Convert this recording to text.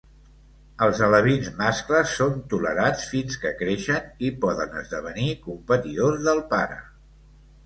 Els alevins mascles són tolerats fins que creixen i poden esdevenir competidors del pare.